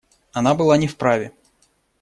Она была не вправе.